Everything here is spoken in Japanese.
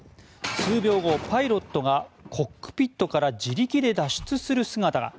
数秒後、パイロットがコックピットから自力で脱出する姿が。